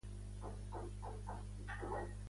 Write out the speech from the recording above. També és un ex-jugador dels Seahawks.